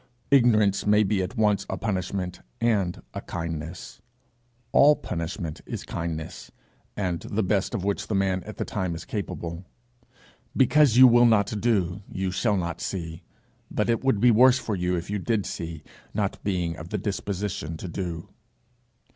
Ignorance may be at once a punishment and a kindness: all punishment is kindness, and the best of which the man at the time is capable: 'Because you will not do, you shall not see; but it would be worse for you if you did see, not being of the disposition to do.'